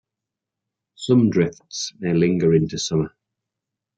Some drifts may linger into summer.